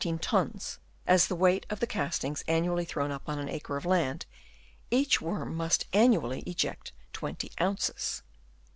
summary 15 tons as the weight of the castings annually thrown up on an acre of land, each worm must annually eject 20 ounces.